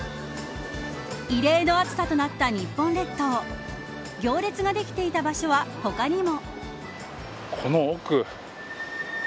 異例の暑さとなった日本列島行列ができていた場所は他にも。